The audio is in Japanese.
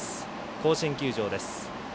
甲子園球場です。